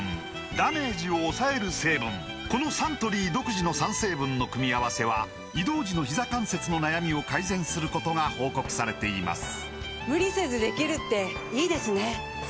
このサントリー独自の３成分の組み合わせは移動時のひざ関節の悩みを改善することが報告されています